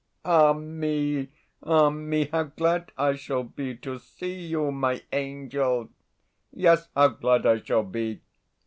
Ah me, ah me, how glad I shall be to see you, my angel! Yes, how glad I shall be!